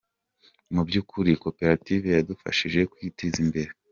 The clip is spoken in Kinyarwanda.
Mu by’ukuri, koperative yadufashije kwiteza imbere.